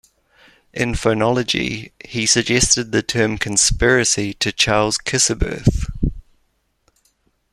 In phonology, he suggested the term conspiracy to Charles Kisseberth.